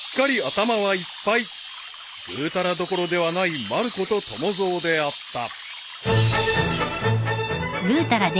［グータラどころではないまる子と友蔵であった］